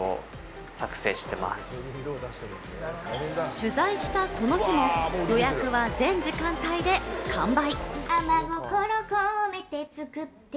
取材したこの日も予約は全時間帯で完売。